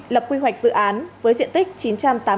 lập quy hoạch dự án